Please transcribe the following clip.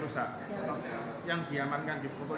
saya rasa cukup ya